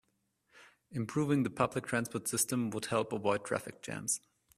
Improving the public transport system would help avoid traffic jams.